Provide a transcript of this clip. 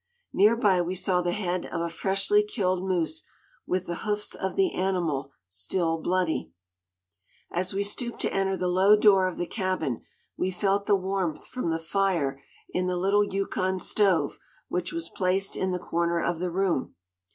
Near by we saw the head of a freshly killed moose, with the hoofs of the animal still bloody. [Illustration: YUKON STEAMER "HANNAH."] As we stooped to enter the low door of the cabin, we felt the warmth from the fire in the little Yukon stove which was placed in the corner of the room.